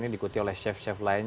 dan itu didanai oleh komunitas